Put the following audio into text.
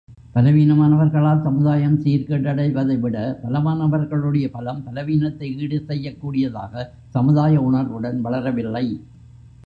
பலவீனமானவர்களால் சமுதாயம் சீர் கேடடைவதைவிட, பலமானவர்களுடைய பலம், பலவீனத்தை ஈடுசெய்யக் கூடியதாக சமுதாய உணர்வுடன் வளரவில்லை.